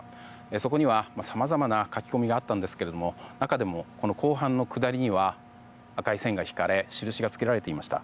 そこには、さまざまな書き込みがあったんですが中でも後半のくだりには赤い線が引かれ印がつけられていました。